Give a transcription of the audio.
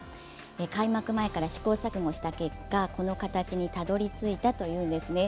開幕前から試行錯誤した結果、この形にたどり着いたというんです。